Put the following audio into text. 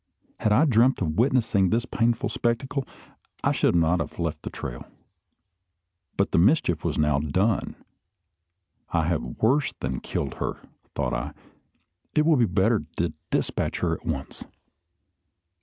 Had I dreamt of witnessing this painful spectacle, I should not have left the trail. But the mischief was now done. "I have worse than killed her," thought I; "it will be better to despatch her at once."